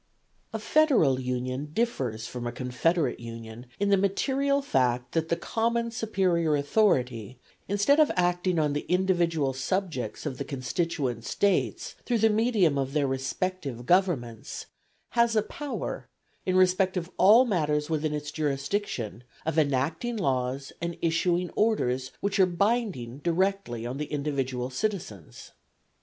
A federal union differs from a confederate union in the material fact that the common superior authority, instead of acting on the individual subjects of the constituent States through the medium of their respective governments, has a power, in respect of all matters within its jurisdiction, of enacting laws and issuing orders which are binding directly on the individual citizens.